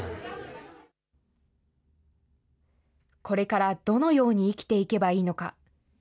これからどのように生きていけばいいのか。